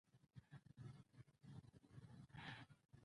هر وخت مې چې د خپل زخمي زړه دارو درمل وکړ، بیا درځم.